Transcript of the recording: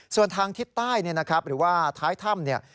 ส่วนทางทิศใต้หรือว่าท้ายถ้ำ